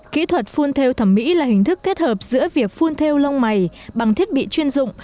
kỹ thuật phun theo thẩm mỹ là hình thức kết hợp giữa việc phun theo lông mày bằng thiết bị chuyên dụng